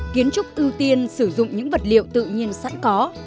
kiến trúc ưu tiên sử dụng những vật liệu tự nhiên sẵn có